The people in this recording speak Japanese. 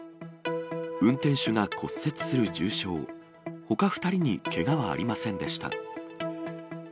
運転手が骨折する重傷、ほか２人にけがはありませんでした。